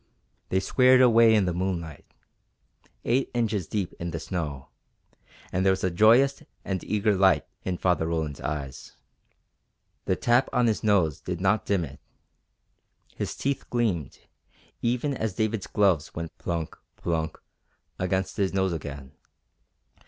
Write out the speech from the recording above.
They squared away in the moonlight, eight inches deep in the snow, and there was a joyous and eager light in Father Roland's eyes. The tap on his nose did not dim it. His teeth gleamed, even as David's gloves went plunk, plunk, against his nose again.